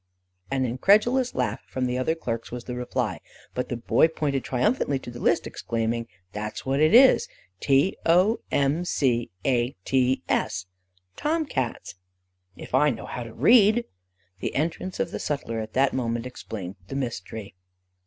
An incredulous laugh from the other clerks was the reply, but the boy pointed triumphantly to the list, exclaiming, 'That's what it is T o m C a t s Tom Cats, if I know how to read!' The entrance of the sutler at that moment explained the mystery.